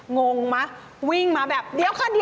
งงมาวิ่งมาแบบเดี๋ยวครับ